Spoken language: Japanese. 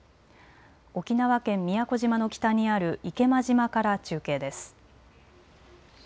沖縄県宮古島の北にある池間島から中継です。